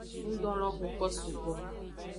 Ngdo lo huko sugbo.